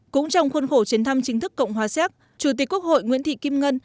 cũng trong khuôn khổ chuyến thăm chính thức cộng hòa séc chủ tịch quốc hội nguyễn thị kim ngân